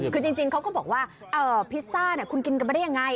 คือจริงจริงเขาก็บอกว่าอ่าพิซซ่าเนี่ยคุณกินกันไม่ได้ยังไง